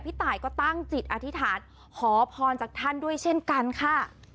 ตายก็ตั้งจิตอธิษฐานขอพรจากท่านด้วยเช่นกันค่ะ